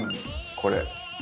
これ。